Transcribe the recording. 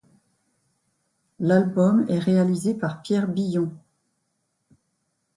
L'album est réalisé par Pierre Billon.